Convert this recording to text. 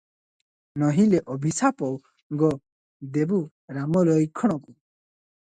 ନୋହିଲେ ଅଭିଶାପ ଗୋ ଦେବୁ ରାମ ଲଇକ୍ଷଣକୁ ।'